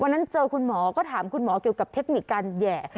เจอคุณหมอก็ถามคุณหมอเกี่ยวกับเทคนิคการแห่